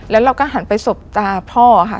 แล้วเราก็หันไปสบตาพ่อค่ะ